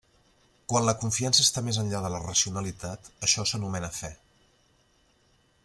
Quan la confiança està més enllà de la racionalitat, això s'anomena fe.